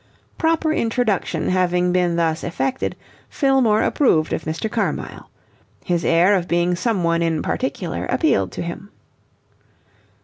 Proper introduction having been thus effected, Fillmore approved of Mr. Carmyle. His air of being someone in particular appealed to him.